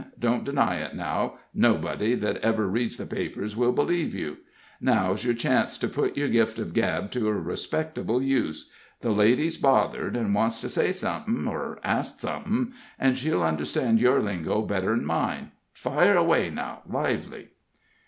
Don't deny it, now nobody that ever reads the papers will b'leeve you. Now's yer chance to put yer gift of gab to a respectable use. The lady's bothered, and wants to say somethin' or ask somethin', and she'll understand your lingo better'n mine. Fire away now, lively!"